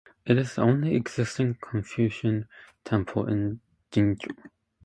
It is the only existing Confucian temple in Jingzhou.